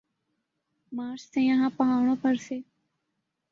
مارچ سے یہاں پہاڑوں پر سے